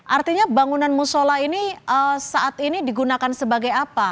artinya bangunan musola ini saat ini digunakan sebagai apa